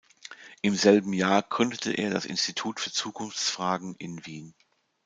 Im selben Jahr gründete er das "Institut für Zukunftsfragen" in Wien.